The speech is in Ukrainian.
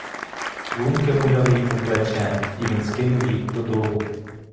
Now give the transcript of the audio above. Клунки муляли йому плече, і він скинув їх додолу.